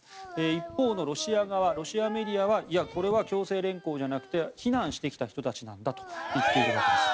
一方のロシアメディアはこれは強制連行じゃなくて避難してきた人たちなんだといっているわけです。